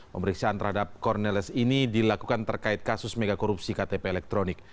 pemeriksaan terhadap corneles ini dilakukan terkait kasus megakorupsi ktp elektronik